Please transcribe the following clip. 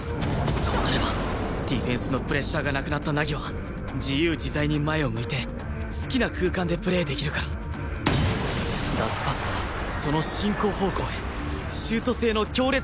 そうなればディフェンスのプレッシャーがなくなった凪は自由自在に前を向いて好きな空間でプレーできるから出すパスはその進行方向へシュート性の強烈なパスでいい